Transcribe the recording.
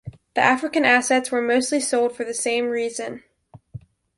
The African assets were mostly sold for the same reason.